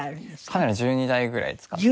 カメラは１２台ぐらい使ってます。